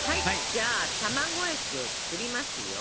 じゃあ卵液を作りますよ。